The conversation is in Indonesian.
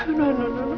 tidak tidak tidak